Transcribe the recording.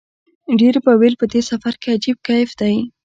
ډېرو به ویل په دې سفر کې عجیب کیف دی.